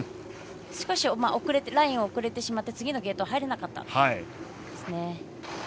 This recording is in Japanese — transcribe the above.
少しラインが遅れてしまって次のゲートに入れなかったですね。